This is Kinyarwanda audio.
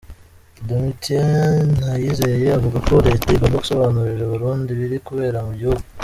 Domitien Ndayizeye avuga ko Leta igomba gusobanurira Abarundi ibiri kubera mu gihugu.